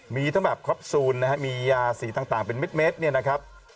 มีทั้งแบบคอปซูลนะฮะมียาสีต่างเป็นเม็ดเนี่ยนะครับ